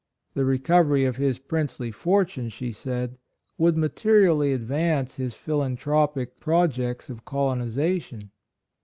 The recovery of his princely fortune, she said, would materially advance his philantropic projects of colonization.